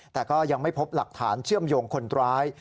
แต่ก็ยังไม่พบหลักฐานเชื่อมโยงคนร้าย